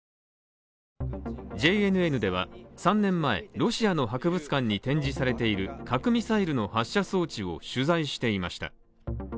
ＪＮＮでは３年前ロシアの博物館に展示されている核ミサイルの発射装置を取材していました。